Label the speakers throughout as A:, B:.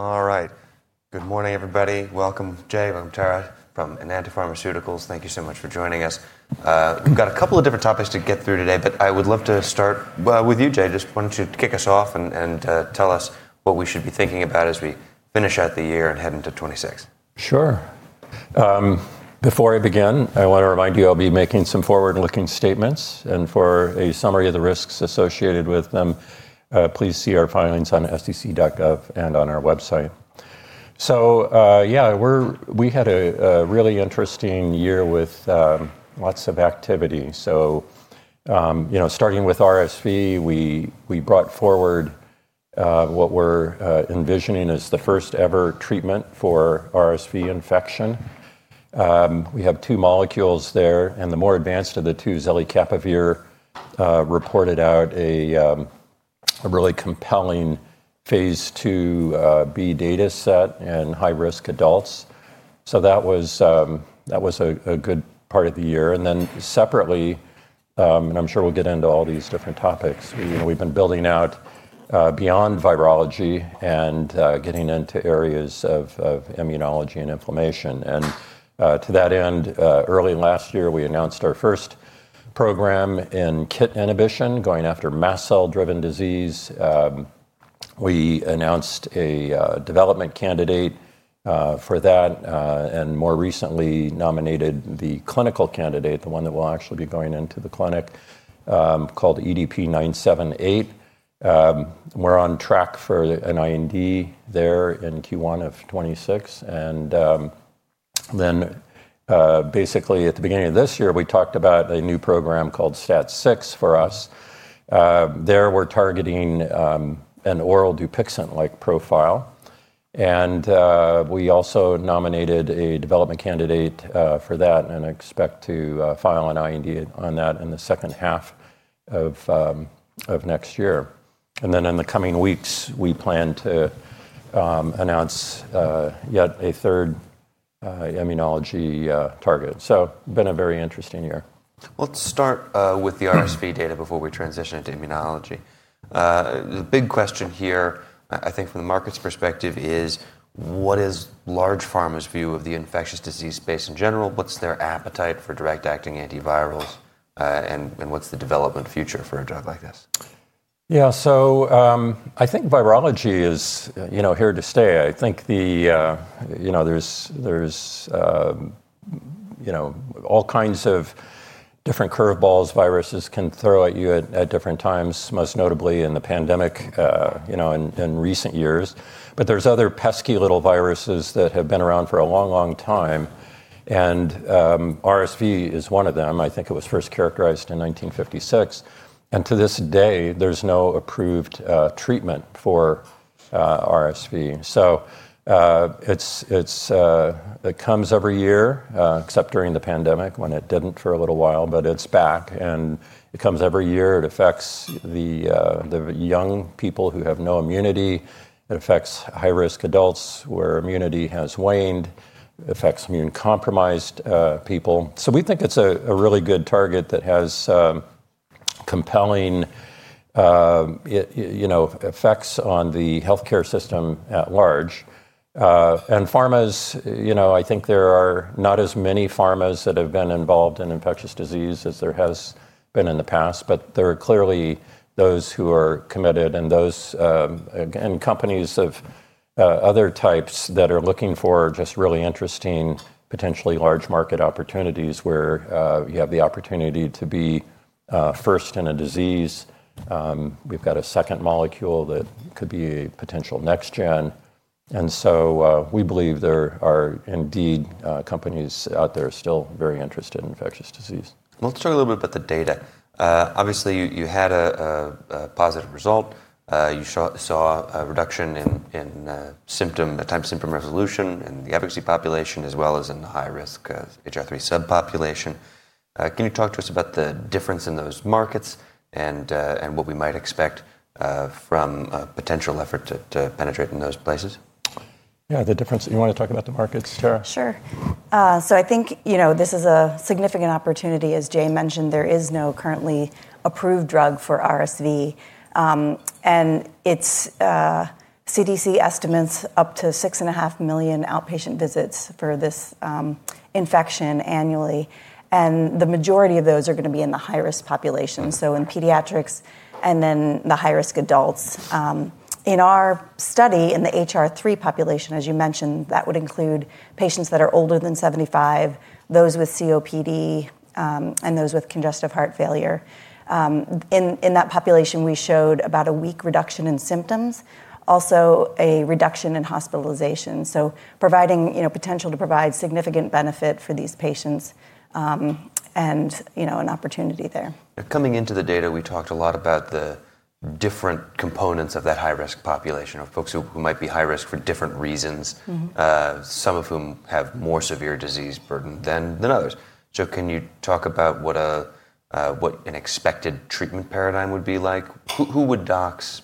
A: All right. Good morning, everybody. Welcome, Jay and Tara from Enanta Pharmaceuticals. Thank you so much for joining us. We've got a couple of different topics to get through today, but I would love to start with you, Jay. Just wanted you to kick us off and tell us what we should be thinking about as we finish out the year and head into 2026.
B: Sure. Before I begin, I want to remind you I'll be making some forward-looking statements, and for a summary of the risks associated with them, please see our filings on SEC.gov and on our website, so, yeah, we had a really interesting year with lots of activity, so, you know, starting with RSV, we brought forward what we're envisioning as the first-ever treatment for RSV infection. We have two molecules there, and the more advanced of the two, zelicapavir, reported out a really compelling phase II-B data set in high-risk adults, so that was a good part of the year, and then separately, and I'm sure we'll get into all these different topics, we've been building out beyond virology and getting into areas of immunology and inflammation, and to that end, early last year, we announced our first program in KIT inhibition going after mast cell-driven disease. We announced a development candidate for that, and more recently nominated the clinical candidate, the one that will actually be going into the clinic, called EDP-978. We're on track for an IND there in Q1 of 2026, and then basically at the beginning of this year, we talked about a new program called STAT6 for us. There we're targeting an oral Dupixent-like profile, and we also nominated a development candidate for that and expect to file an IND on that in the second half of next year, and then in the coming weeks, we plan to announce yet a third immunology target, so it's been a very interesting year. Let's start with the RSV data before we transition into immunology. The big question here, I think from the market's perspective, is what is large pharma's view of the infectious disease space in general? What's their appetite for direct-acting antivirals? And what's the development future for a drug like this? Yeah, so I think virology is here to stay. I think there's all kinds of different curveballs viruses can throw at you at different times, most notably in the pandemic in recent years, but there's other pesky little viruses that have been around for a long, long time, and RSV is one of them. I think it was first characterized in 1956, and to this day, there's no approved treatment for RSV, so it comes every year, except during the pandemic when it didn't for a little while, but it's back, and it comes every year. It affects the young people who have no immunity. It affects high-risk adults where immunity has waned. It affects immune-compromised people, so we think it's a really good target that has compelling effects on the healthcare system at large. And pharmas, you know, I think there are not as many pharmas that have been involved in infectious disease as there has been in the past, but there are clearly those who are committed and those companies of other types that are looking for just really interesting, potentially large market opportunities where you have the opportunity to be first in a disease. We've got a second molecule that could be a potential next-gen. And so we believe there are indeed companies out there still very interested in infectious disease. Let's talk a little bit about the data. Obviously, you had a positive result. You saw a reduction in symptom time, symptom resolution in the efficacy population as well as in the high-risk HR3 subpopulation. Can you talk to us about the difference in those markets and what we might expect from a potential effort to penetrate in those places? Yeah, the difference that, you want to talk about the markets, Tara?
C: Sure. So I think, you know, this is a significant opportunity. As Jay mentioned, there is no currently approved drug for RSV. And the CDC estimates up to 6.5 million outpatient visits for this infection annually. And the majority of those are going to be in the high-risk population, so in pediatrics and then the high-risk adults. In our study in the HR3 population, as you mentioned, that would include patients that are older than 75, those with COPD, and those with congestive heart failure. In that population, we showed about a week reduction in symptoms, also a reduction in hospitalization. So providing, potential to provide significant benefit for these patients and an opportunity there. Coming into the data, we talked a lot about the different components of that high-risk population of folks who might be high risk for different reasons, some of whom have more severe disease burden than others. So can you talk about what an expected treatment paradigm would be like? Who would docs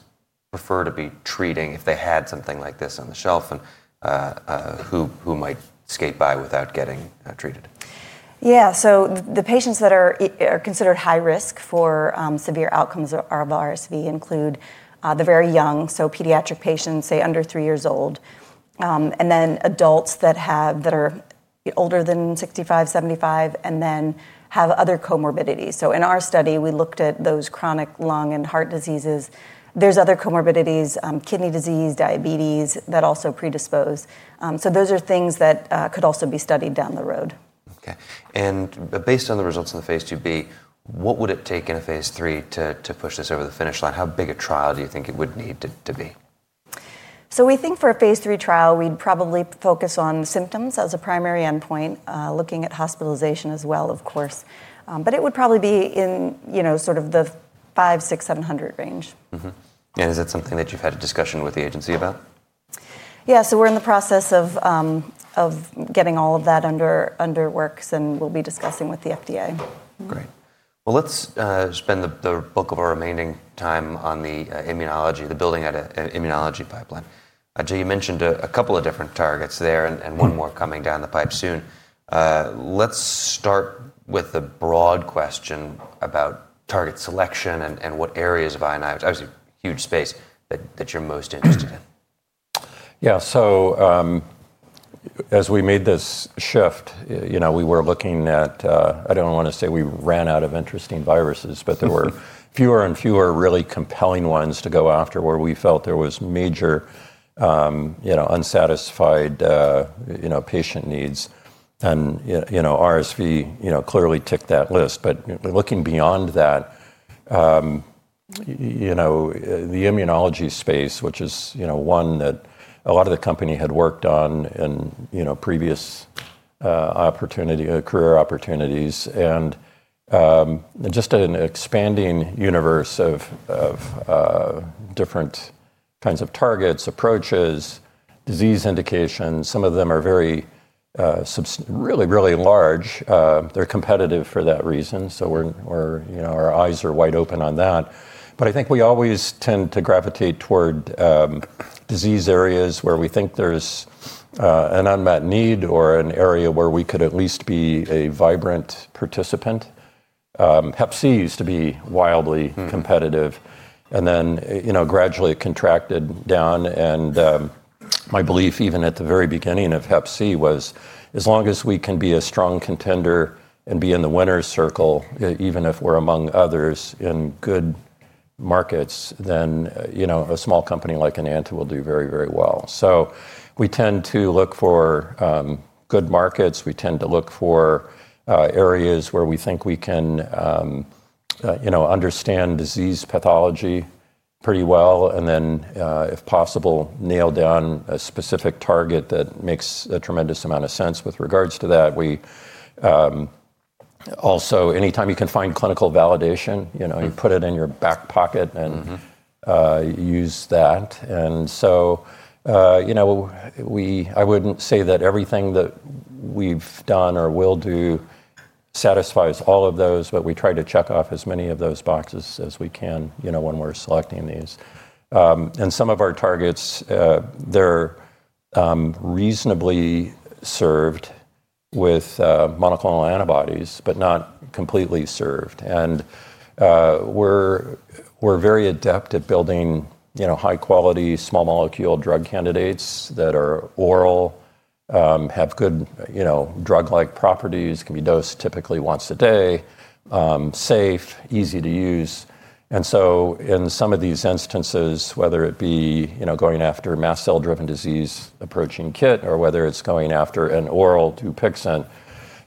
C: prefer to be treating if they had something like this on the shelf and who might skate by without getting treated? Yeah, so the patients that are considered high-risk for severe outcomes of RSV include the very young, so pediatric patients, say under three years old, and then adults that are older than 65, 75, and then have other comorbidities. So in our study, we looked at those chronic lung and heart diseases. There's other comorbidities, kidney disease, diabetes that also predispose. So those are things that could also be studied down the road. Okay. And based on the results in the phase II-B, what would it take in a phase III to push this over the finish line? How big a trial do you think it would need to be? We think for a phase III trial, we'd probably focus on symptoms as a primary endpoint, looking at hospitalization as well, of course, but it would probably be in sort of the 500, 600, 700 range. Is that something that you've had a discussion with the agency about? Yeah, so we're in the process of getting all of that underway and we'll be discussing with the FDA. Great. Well, let's spend the bulk of our remaining time on the immunology, the building out of immunology pipeline. Jay, you mentioned a couple of different targets there and one more coming down the pipe soon. Let's start with the broad question about target selection and what areas of immunology, obviously huge space, that you're most interested in.
B: Yeah, so as we made this shift, you know, we were looking at, I don't want to say we ran out of interesting viruses, but there were fewer and fewer really compelling ones to go after where we felt there was major unsatisfied patient needs, and RSV clearly ticked that list, but looking beyond that, you know, the immunology space, which is one that a lot of the company had worked on in previous career opportunities and just an expanding universe of different kinds of targets, approaches, disease indications, some of them are really, really large, they're competitive for that reason, so our eyes are wide open on that, but I think we always tend to gravitate toward disease areas where we think there's an unmet need or an area where we could at least be a vibrant participant, Hep C used to be wildly competitive. And then gradually it contracted down. And my belief, even at the very beginning of Hep C, was as long as we can be a strong contender and be in the winner's circle, even if we're among others in good markets, then a small company like Enanta will do very, very well. So we tend to look for good markets. We tend to look for areas where we think we can understand disease pathology pretty well and then, if possible, nail down a specific target that makes a tremendous amount of sense with regards to that. Also, anytime you can find clinical validation, you put it in your back pocket and use that. And so, you know, I wouldn't say that everything that we've done or will do satisfies all of those, but we try to check off as many of those boxes as we can when we're selecting these. And some of our targets, they're reasonably served with monoclonal antibodies, but not completely served. And we're very adept at building high-quality small molecule drug candidates that are oral, have good drug-like properties, can be dosed typically once a day, safe, easy to use. And so in some of these instances, whether it be going after mast cell-driven disease approaching KIT or whether it's going after an oral Dupixent,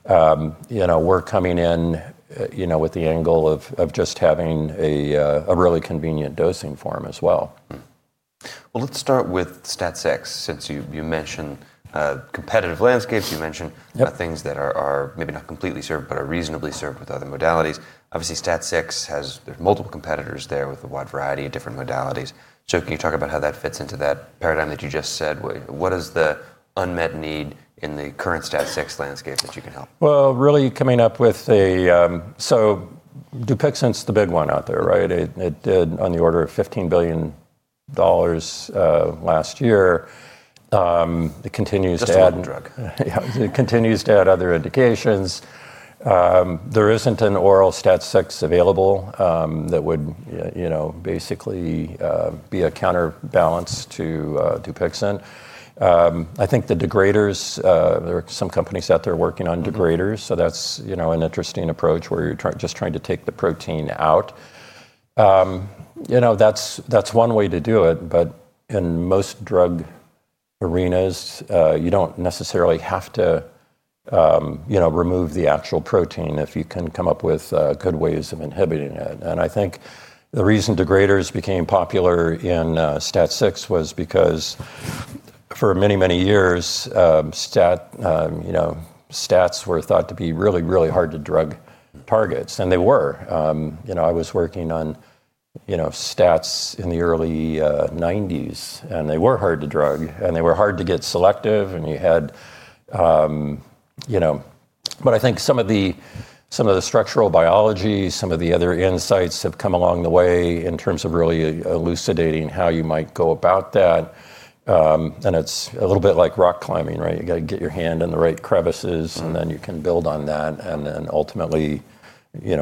B: we're coming in with the angle of just having a really convenient dosing form as well. Let's start with STAT6 since you mentioned competitive landscapes. You mentioned things that are maybe not completely served, but are reasonably served with other modalities. Obviously, STAT6 has multiple competitors there with a wide variety of different modalities. So can you talk about how that fits into that paradigm that you just said? What is the unmet need in the current STAT6 landscape that you can help? Dupixent's the big one out there, right? It did on the order of $15 billion last year. It continues to add. A second drug. Yeah, it continues to add other indications. There isn't an oral STAT6 available that would basically be a counterbalance to Dupixent. I think the degraders, there are some companies out there working on degraders, so that's an interesting approach where you're just trying to take the protein out. You know, that's one way to do it, but in most drug arenas, you don't necessarily have to remove the actual protein if you can come up with good ways of inhibiting it. And I think the reason degraders became popular in STAT6 was because for many, many years, STATs were thought to be really, really hard to drug targets. And they were. I was working on STATs in the early 1990s, and they were hard to drug, and they were hard to get selective, and you had, but I think some of the structural biology, some of the other insights have come along the way in terms of really elucidating how you might go about that. And it's a little bit like rock climbing, right? You got to get your hand in the right crevices, and then you can build on that and then ultimately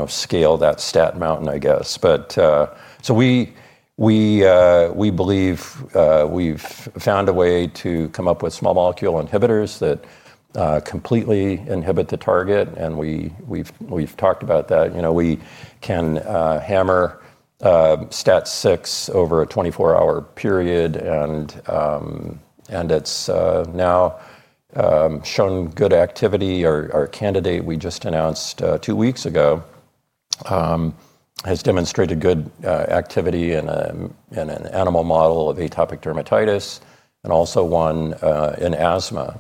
B: scale that STAT mountain, I guess. But, so we believe we've found a way to come up with small molecule inhibitors that completely inhibit the target. And we've talked about that. We can hammer STAT6 over a 24-hour period. And it's now shown good activity. Our candidate we just announced two weeks ago has demonstrated good activity in an animal model of atopic dermatitis and also one in asthma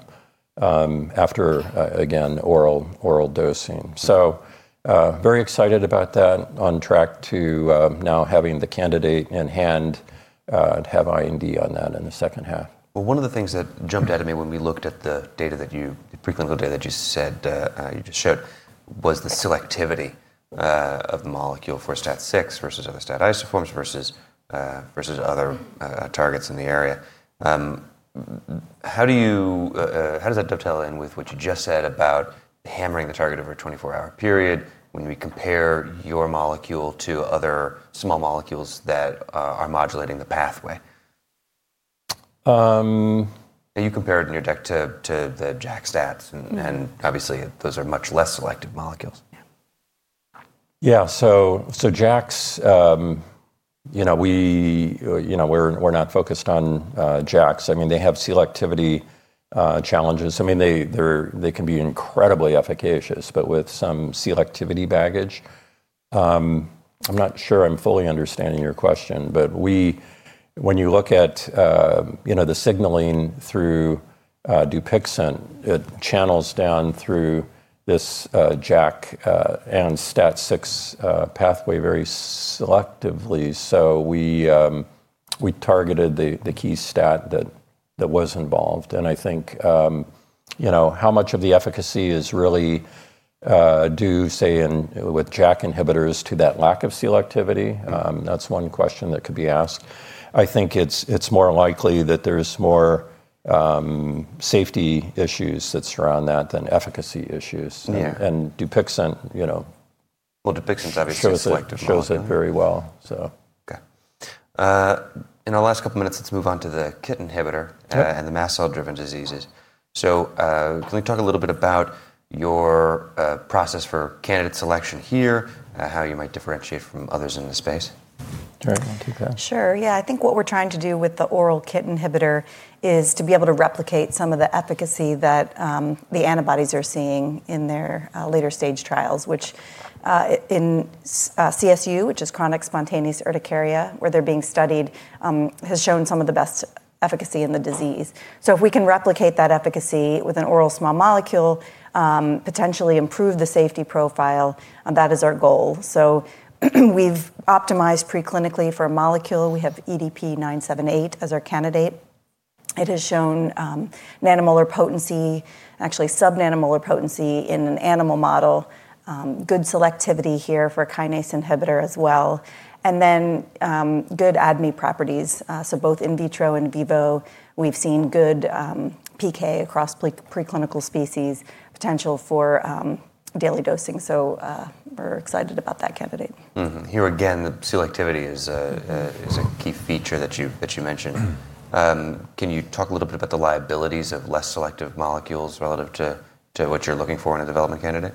B: after, again, oral dosing. So very excited about that, on track to now having the candidate in hand and have IND on that in the second half. One of the things that jumped out at me when we looked at the data that you, preclinical data that you said you just showed, was the selectivity of the molecule for STAT6 versus other STAT isoforms versus other targets in the area. How does that dovetail in with what you just said about hammering the target over a 24-hour period when we compare your molecule to other small molecules that are modulating the pathway? You compared in your deck to the JAK, STATs, and obviously those are much less selective molecules. Yeah, so JAKs, you know, we're not focused on JAKs. I mean, they have selectivity challenges. I mean, they can be incredibly efficacious, but with some selectivity baggage. I'm not sure I'm fully understanding your question, but when you look at the signaling through Dupixent, it channels down through this JAK and STAT6 pathway very selectively. So we targeted the key STAT that was involved. And I think how much of the efficacy is really due, say, with JAK inhibitors to that lack of selectivity, that's one question that could be asked. I think it's more likely that there's more safety issues that surround that than efficacy issues. And Dupixent, you know. Dupixent's obviously selective. Shows it very well, so. Okay. In our last couple of minutes, let's move on to the KIT inhibitor and the mast cell-driven diseases. So can we talk a little bit about your process for candidate selection here, how you might differentiate from others in the space? Tara, you want to take that?
C: Sure, yeah. I think what we're trying to do with the oral KIT inhibitor is to be able to replicate some of the efficacy that the antibodies are seeing in their later-stage trials, which in CSU, which is chronic spontaneous urticaria, where they're being studied, has shown some of the best efficacy in the disease. So if we can replicate that efficacy with an oral small molecule, potentially improve the safety profile, that is our goal. So we've optimized preclinically for a molecule. We have EDP-978 as our candidate. It has shown nanomolar potency, actually subnanomolar potency in an animal model, good selectivity here for kinase inhibitor as well, and then good ADME properties. So both in vitro and in vivo, we've seen good PK across preclinical species, potential for daily dosing. So we're excited about that candidate. Here again, selectivity is a key feature that you mentioned. Can you talk a little bit about the liabilities of less selective molecules relative to what you're looking for in a development candidate?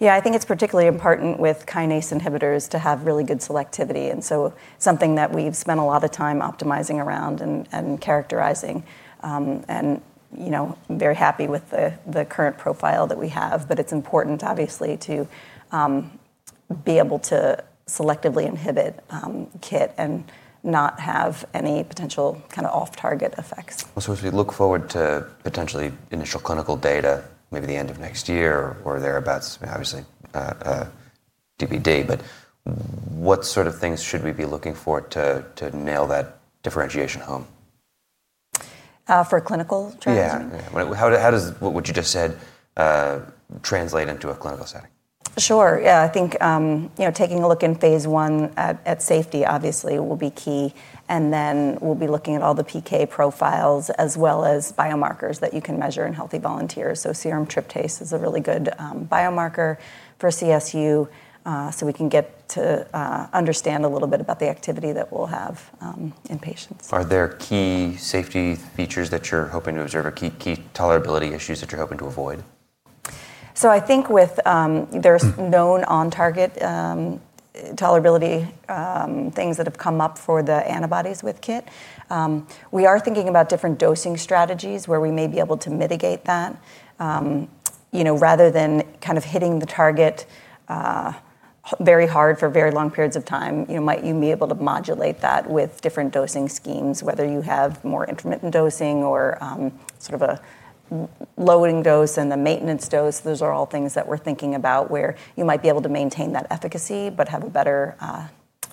C: Yeah, I think it's particularly important with kinase inhibitors to have really good selectivity. And so something that we've spent a lot of time optimizing around and characterizing. And I'm very happy with the current profile that we have, but it's important, obviously, to be able to selectively inhibit KIT and not have any potential kind of off-target effects. As we look forward to potentially initial clinical data, maybe the end of next year or thereabouts, obviously TBD, but what sort of things should we be looking for to nail that differentiation home? For clinical trials? Yeah, yeah. What would you just said translate into a clinical setting? Sure, yeah. I think taking a look in phase I at safety, obviously, will be key, and then we'll be looking at all the PK profiles as well as biomarkers that you can measure in healthy volunteers, so serum tryptase is a really good biomarker for CSU so we can get to understand a little bit about the activity that we'll have in patients. Are there key safety features that you're hoping to observe or key tolerability issues that you're hoping to avoid? So I think there's known on-target tolerability things that have come up for the antibodies with KIT. We are thinking about different dosing strategies where we may be able to mitigate that rather than kind of hitting the target very hard for very long periods of time. Might you be able to modulate that with different dosing schemes, whether you have more intermittent dosing or sort of a lowering dose and the maintenance dose? Those are all things that we're thinking about where you might be able to maintain that efficacy but have a better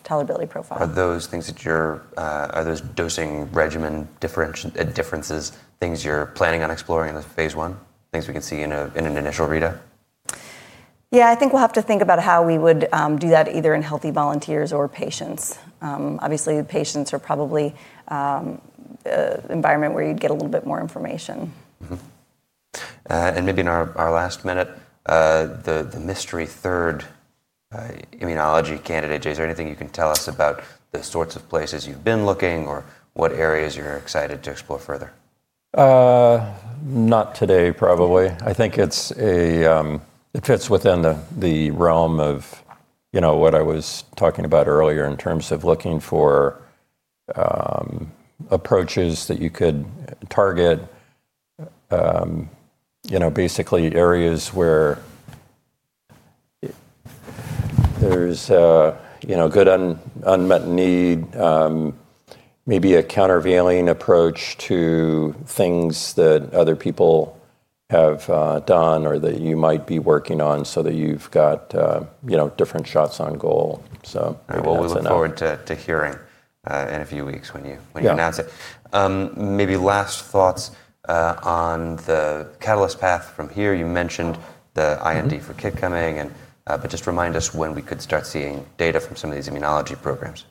C: tolerability profile. Are those dosing regimen differences things you're planning on exploring in phase I, things we can see in an initial readout? Yeah, I think we'll have to think about how we would do that either in healthy volunteers or patients. Obviously, patients are probably an environment where you'd get a little bit more information. Maybe in our last minute, the mystery third immunology candidate, Jay, is there anything you can tell us about the sorts of places you've been looking or what areas you're excited to explore further?
B: Not today, probably. I think it fits within the realm of what I was talking about earlier in terms of looking for approaches that you could target, basically areas where there's good unmet need, maybe a countervailing approach to things that other people have done or that you might be working on so that you've got different shots on goal. All right, well, we look forward to hearing in a few weeks when you announce it. Maybe last thoughts on the catalyst path from here. You mentioned the IND for KIT coming, but just remind us when we could start seeing data from some of these immunology programs.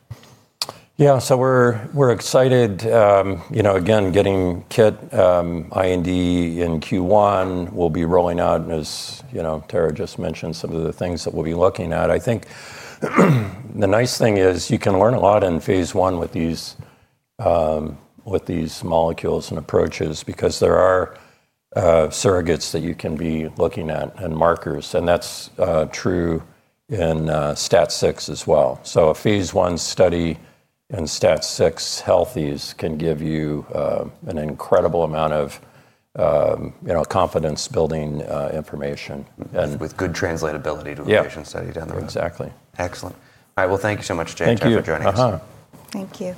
B: Yeah, so we're excited, again, getting KIT IND in Q1. We'll be rolling out, as Tara just mentioned, some of the things that we'll be looking at. I think the nice thing is you can learn a lot in phase I with these molecules and approaches because there are surrogates that you can be looking at and markers. And that's true in STAT6 as well. So a phase I study in STAT6 healthies can give you an incredible amount of confidence-building information. With good translatability to a patient study down the road. Exactly. Excellent. All right, well, thank you so much, Jay, for joining us. Thank you.
C: Thank you.